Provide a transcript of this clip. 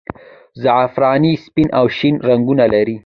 زعفراني سپین او شین رنګونه لري.